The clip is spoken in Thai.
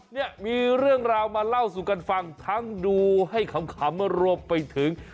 เนี่ยมีเรื่องราวมาเล่าสู่กันฟังทั้งดูให้ขำรวมไปถึง